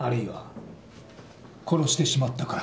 殺してしまったから。